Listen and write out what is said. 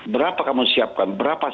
berapa kamu siapkan